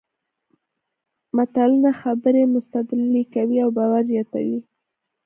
متلونه خبرې مستدللې کوي او باور زیاتوي